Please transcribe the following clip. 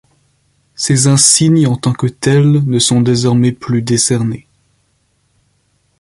Ces insignes en tant que tels ne sont désormais plus décernés.